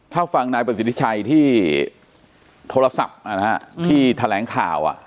ถ้าฟังนายประสิทธิชัยที่โทรศัพท์ที่แถลงข่าว